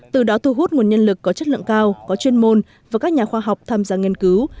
từ đó thu hút nguồn nhân lực có chất lượng cao có chuyên môn và các nhà khoa học tham gia nghiên cứu